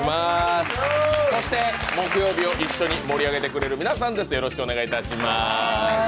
そして木曜日を一緒に盛り上げてくれる皆さんです。